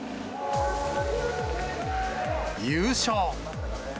優勝。